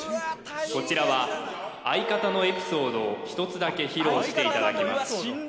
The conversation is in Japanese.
こちらは相方のエピソードを１つだけ披露していただきます